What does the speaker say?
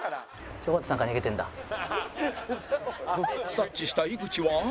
察知した井口は